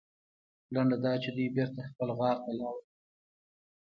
لنډه دا چې دوی بېرته خپل غار ته لاړل.